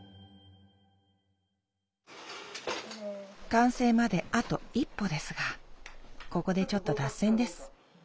完成まであと一歩ですがここでちょっと脱線です